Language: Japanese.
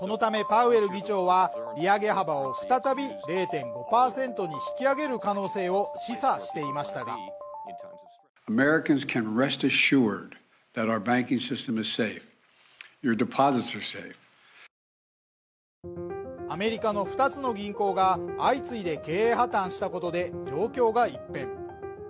このためパウエル議長は利上げ幅を再び０．５％に引き上げる可能性を示唆していましたがアメリカの二つの銀行が相次いで経営破綻したことで状況が一変。